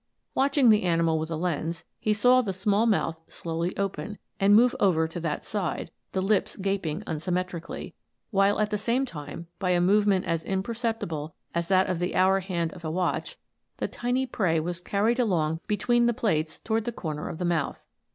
Watching the animal with a lens, he saw the small mouth slowly open, and move over to that side, the lips gaping unsymme trically ; while at the same time, by a movement as imperceptible as that of the hour hand of a watch, the tiny prey was carried along between the plates towards the corner of the mouth.